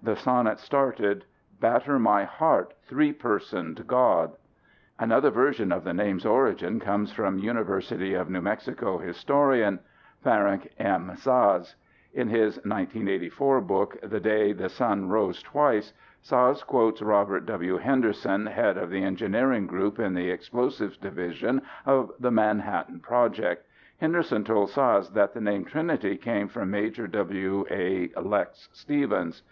The sonnet started, "Batter my heart, three personed God." Another version of the name's origin comes from University of New Mexico historian Ferenc M. Szasz. In his 1984 book, The Day the Sun Rose Twice, Szasz quotes Robert W. Henderson head of the Engineering Group in the Explosives Division of the Manhattan Project. Henderson told Szasz that the name Trinity came from Major W. A. (Lex) Stevens.